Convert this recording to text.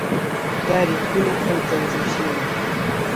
دا ریکونه ښه تنظیم شوي دي.